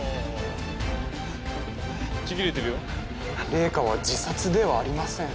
「玲香は自殺ではありません。